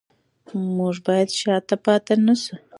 موږ باید شاته پاتې نشو.